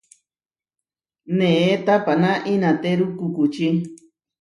Née tapaná inatéru kukuči.